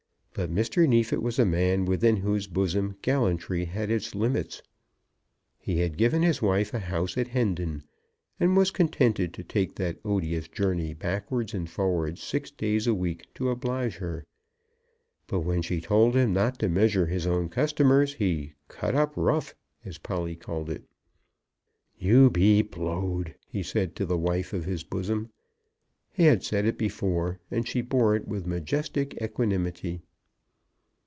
But Mr. Neefit was a man within whose bosom gallantry had its limits. He had given his wife a house at Hendon, and was contented to take that odious journey backwards and forwards six days a week to oblige her. But when she told him not to measure his own customers, "he cut up rough" as Polly called it. "You be blowed," he said to the wife of his bosom. He had said it before, and she bore it with majestic equanimity.